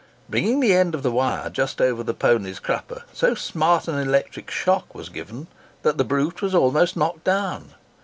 Bringing the end of the wire just over the pony's crupper, so smart an electric shock was given it, that the brute was almost knocked down.